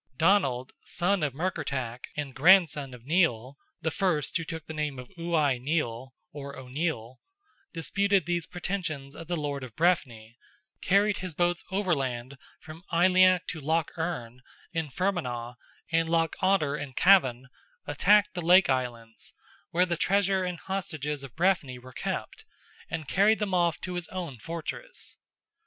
Donald, son of Murkertach, and grandson of Nial, (the first who took the name of Uai Nial, or O'Neill), disputed these pretensions of the Lord of Breffni; carried his boats overland from Aileach to Lough Erne in Fermanagh, and Lough Oughter in Cavan; attacked the lake islands, where the treasure and hostages of Breffni were kept, and carried them off to his own fortress.